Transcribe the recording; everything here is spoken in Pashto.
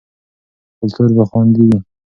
کلتور به خوندي وي.